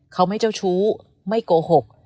เขาไม่เจ้าชู้ไม่โกหก